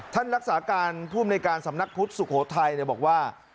ท่านรักษาการผู้อำนวยการสำนักพุทธสุโขทัยบอกว่า